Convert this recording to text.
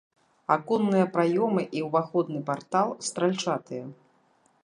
Аконныя праёмы і ўваходны партал стральчатыя.